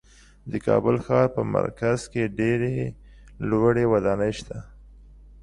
د کابل ښار په مرکز کې ډېرې لوړې ودانۍ شته.